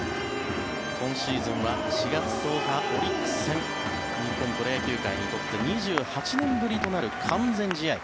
今シーズンは４月１０日、オリックス戦日本プロ野球界にとって２８年ぶりとなる完全試合。